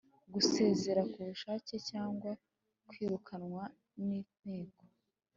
gusezera ku bushake cyangwa kwirukanwa n Inteko